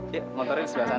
ya motorin silahkan